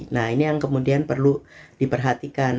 nah ini yang kemudian perlu diperhatikan